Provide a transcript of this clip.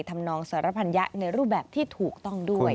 ทำนองสารพัญญะในรูปแบบที่ถูกต้องด้วย